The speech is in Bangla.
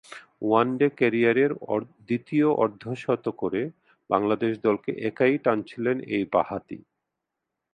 ওয়ানডে ক্যারিয়ারের দ্বিতীয় অর্ধশত করে বাংলাদেশ দলকে একাই টানছিলেন এই বাঁহাতি।